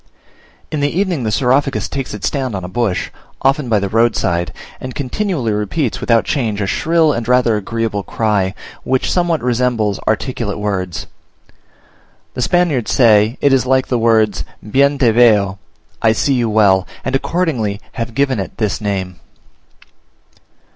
In the evening the Saurophagus takes its stand on a bush, often by the roadside, and continually repeats without a change a shrill and rather agreeable cry, which somewhat resembles articulate words: the Spaniards say it is like the words "Bien te veo" (I see you well), and accordingly have given it this name.